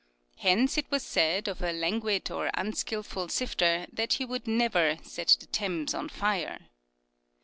Hence it was said of a languid or unskilful sifter that he would never " set the temse on fire."